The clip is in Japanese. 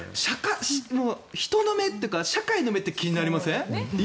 人の目というか社会の目って気になりません？